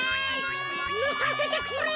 ぬかせてくれ！